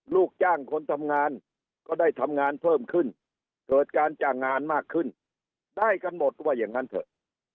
ลูกจ้างคนทำงานก็ได้ทำงานเพิ่มขึ้นเกิดการจ้างงานมากขึ้นได้กำหนดว่าอย่างนั้นเถอะ